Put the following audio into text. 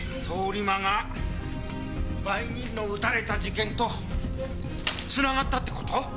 通り魔が売人の撃たれた事件とつながったって事？